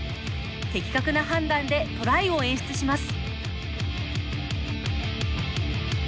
的確な判断でトライを演出します。